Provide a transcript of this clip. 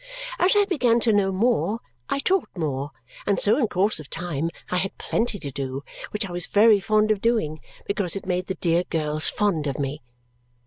As I began to know more, I taught more, and so in course of time I had plenty to do, which I was very fond of doing because it made the dear girls fond of me.